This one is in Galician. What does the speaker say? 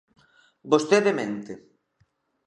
Vostede mente.